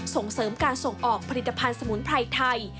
ส่งเสริมการส่งออกผลิตภัณฑ์สมุนไพรไทย